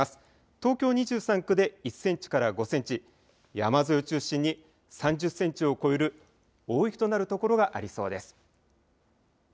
東京２３区で１センチから５センチ、山沿いを中心に３０センチを超える大雪となる所がありそうです。